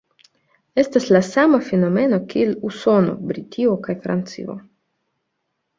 Estas la sama fenomeno kiel en Usono, Britio kaj Francio.